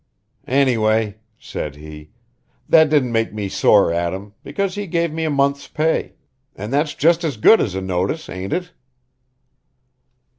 "Anyway," said he, "that didn't make me sore at him, because he give me a month's pay; and that's just as good as a notice, ain't it?"